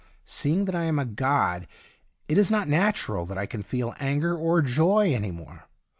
Seeing that I am a god it is not natural that I can feel anger or joy any more.